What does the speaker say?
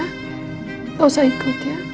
tidak usah ikut ya